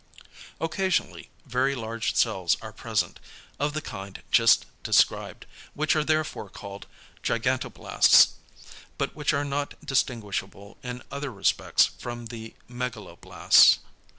Occasionally very large cells are present of the kind just described, which are therefore called =gigantoblasts=, but which are not distinguishable in other respects from the megaloblasts.